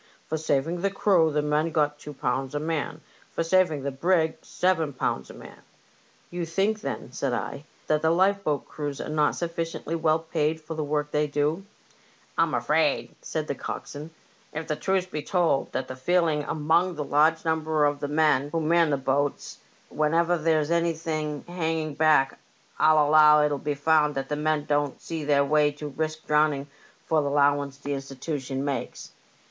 For saving the crew the men got two pounds a man, for saving the brig seven pounds a man." You think, then," said I, " that the lifeboat crews are not sufficiently well paid for the work they do ?"" I'm afraid," answered the coxswain, " if the truth's to be told, that's the feeling among a large number of the men who man the boats. Whenever there's any hanging back I'll allow it'll be found that the men don't see their way to risk drowning for the 'lowance the Insti tution makes.